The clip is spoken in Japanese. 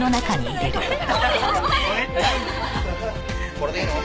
これでいいの？